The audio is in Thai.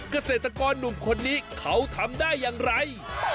เกษตรกรหนุ่มคนนี้เขาทำได้อย่างไร